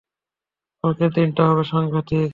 কালকের দিনটা হবে সাংঘাতিক।